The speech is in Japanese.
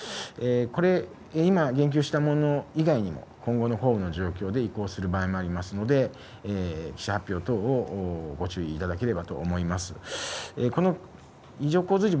これ、今言及したもの以外にも、今後の状況で移行する場合もありますので、記者発表等をご注意いただければと思います。